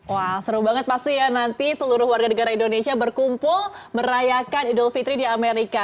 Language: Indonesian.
wah seru banget pasti ya nanti seluruh warga negara indonesia berkumpul merayakan idul fitri di amerika